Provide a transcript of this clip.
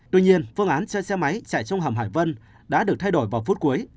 tuy nhiên phương án cho xe máy chạy trong hầm hải vân đã được thay đổi vào phút cuối